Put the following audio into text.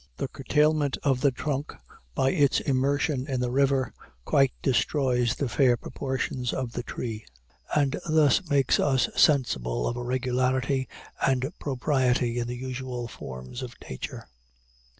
The curtailment of the trunk by its immersion in the river quite destroys the fair proportions of the tree, and thus makes us sensible of a regularity and propriety in the usual forms of nature.